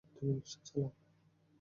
তুমি রিকশা চালাও।